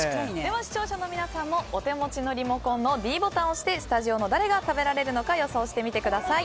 視聴者の皆さんもお手持ちのリモコンのｄボタンを押してスタジオの誰が食べられるか予想してみてください。